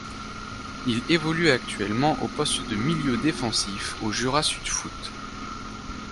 Il évolue actuellement au poste de milieu défensif au Jura Sud Foot.